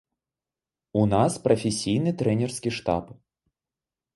У нас прафесійны трэнерскі штаб.